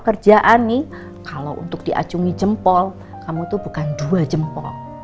kerjaan nih kalau untuk diacungi jempol kamu itu bukan dua jempol